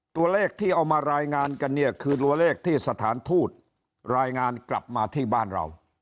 ตัวเลขที่เอามารายงานกันเนี่ยคือตัวเลขที่สถานทูตรายงานกลับมาที่บ้านเรา